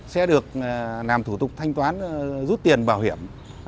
sẽ được làm thủ tục thanh toán rút tiền bảo hiểm